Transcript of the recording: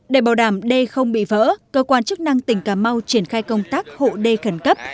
để bảo đảm đê không bị vỡ cơ quan chức năng tỉnh cà mau triển khai công tác hộ đê khẩn cấp